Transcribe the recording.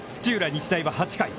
日大は８回。